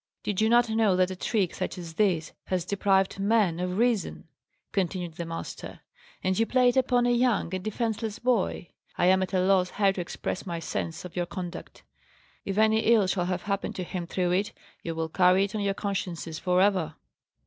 "Did you not know that a trick, such as this, has deprived men of reason?" continued the master. "And you play it upon a young and defenceless boy! I am at a loss how to express my sense of your conduct. If any ill shall have happened to him through it, you will carry it on your consciences for ever."